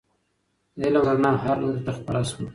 د علم رڼا هر لوري ته خپره سوه.